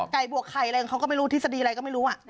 บวกไข่อะไรของเขาก็ไม่รู้ทฤษฎีอะไรก็ไม่รู้